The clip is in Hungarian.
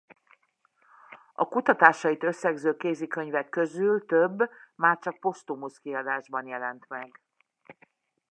A kutatásait összegző kézikönyvek közül több már csak posztumusz kiadásban jelent meg.